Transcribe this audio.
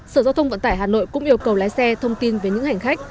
sở giao thông vận tải hà nội cũng yêu cầu lái xe thông tin về những hành khách